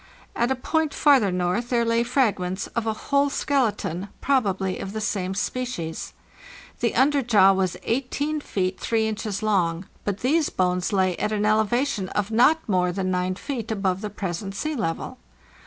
At a point farther north there lay fragments of a whole skeleton, probably of the same species. The underjaw was 18 feet 3 inches long; but these bones lay at an elevation of not more than g feet above the present sea level.